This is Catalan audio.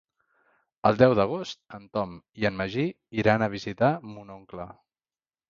El deu d'agost en Tom i en Magí iran a visitar mon oncle.